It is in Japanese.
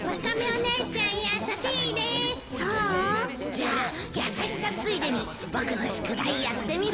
じゃあ優しさついでに僕の宿題やってみる？